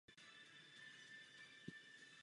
V Berlíně absolvoval seminář pro stavbu měst.